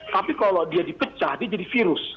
tapi kalau dia dipecah dia jadi virus